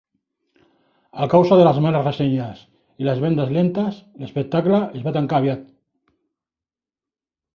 A causa de les males ressenyes i les vendes lentes, l'espectacle es va tancar aviat.